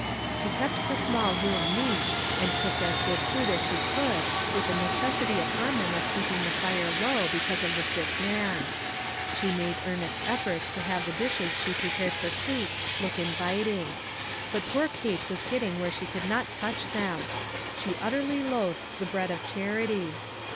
She kept the small room neat, and cooked as good food as she could, with the necessity upon them of keeping the fire low, because of the sick man. She made earnest efforts to have the dishes she prepared for Kate look inviting. But poor Kate was getting where she could not touch them. She utterly loathed the bread of charity.